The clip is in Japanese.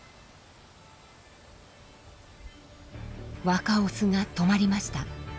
若オスが止まりました。